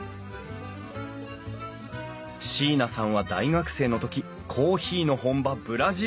椎名さんは大学生の時コーヒーの本場ブラジルへ留学。